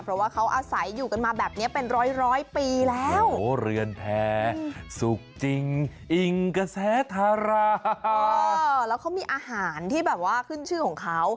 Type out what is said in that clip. เพราะว่าเขาอาศัยอยู่กันมาแบบเนี้ยเป็นร้อยร้อยปีแล้วโอ้เรือนแพ้สุกจริงอิงกระแสทาราแล้วเขามีอาหารที่แบบว่าขึ้นชื่อของเขา